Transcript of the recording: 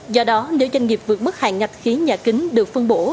do đó nếu doanh nghiệp vượt mức hạn ngạch khí nhà kính được phân bổ